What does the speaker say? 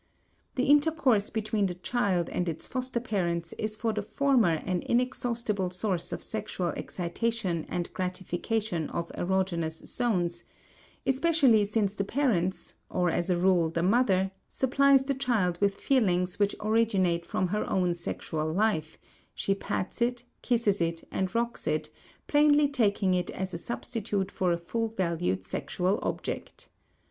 The intercourse between the child and its foster parents is for the former an inexhaustible source of sexual excitation and gratification of erogenous zones, especially since the parents or as a rule the mother supplies the child with feelings which originate from her own sexual life; she pats it, kisses it, and rocks it, plainly taking it as a substitute for a full valued sexual object.